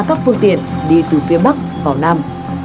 các phương tiện đi từ phía bắc vào nam